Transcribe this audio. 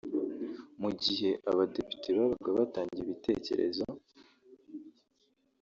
Mu gihe abadepite babaga batanga ibitekerezo